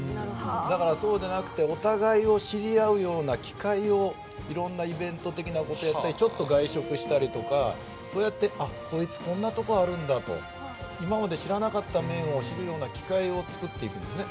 そうじゃなくてお互いを知り合うような機会をいろんなイベント的なことをしてちょっと外食したりしてこいつ、こんなことあるんだとか今まで知らなかった面を知る機会を作るんですね。